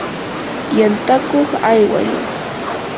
yantakuq ayway.